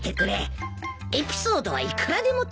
エピソードはいくらでも提供するから。